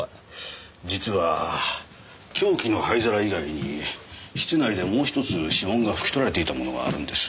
実は凶器の灰皿以外に室内でもうひとつ指紋が拭き取られていたものがあるんです。